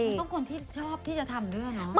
คุณต้องคนที่ชอบที่จะทำด้วยนะ